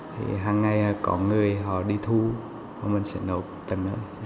thì hàng ngày có người họ đi thu và mình sẽ nộp tầm nợ